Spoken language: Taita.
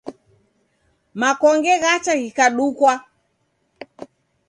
Makonge ghacha ghikadukwa